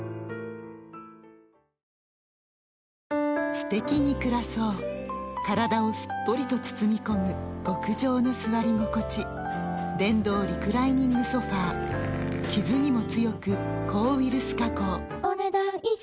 すてきに暮らそう体をすっぽりと包み込む極上の座り心地電動リクライニングソファ傷にも強く抗ウイルス加工お、ねだん以上。